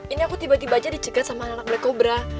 ini aku tiba tibanya dicegat sama anak black cobra